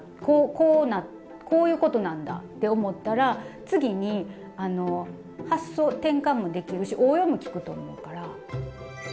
こうこういうことなんだって思ったら次に発想転換もできるし応用も利くと思うから。